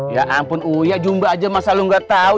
ya ampun uya jumba aja masa lo gak tau